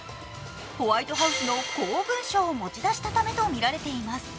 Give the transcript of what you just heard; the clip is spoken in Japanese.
ホワイトハウスの公文書を持ち出したためとみられています。